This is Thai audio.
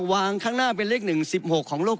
วางข้างหน้าเป็นเลขหนึ่งสิบหกของโลก